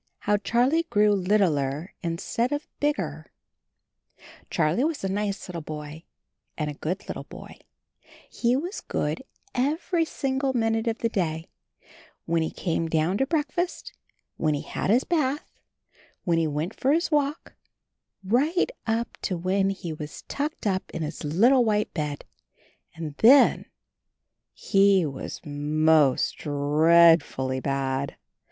I HOW CHARLIE GREW LITTLER INSTEAD OF BIGGER HARLiE was a nice little boy and a good little boy — he was good every single minute of the day, when he came down to breakfast, when he had his bath, when he went for his walk, right up to when he was tucked up in his little white bed. And then — he was most dreadfully bad.